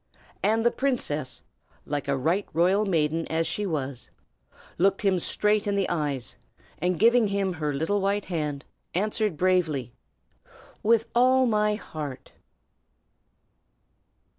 And the princess, like a right royal maiden as she was, looked him straight in the eyes, and giving him her little white hand, answered bravely, "_With all my heart!